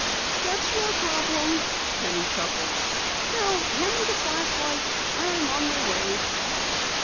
"That's your problem," Penny chuckled. "Now hand me the flashlight. I'm on my way."